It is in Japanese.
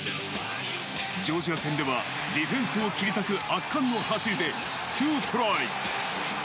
ジョージア戦ではディフェンスを切り裂く圧巻の走りで２トライ。